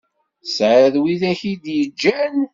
Tesεiḍ widak i d yeǧǧan